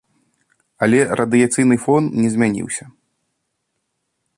Але радыяцыйны фон не змяніўся.